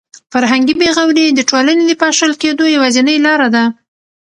فرهنګي بې غوري د ټولنې د پاشل کېدو یوازینۍ لاره ده.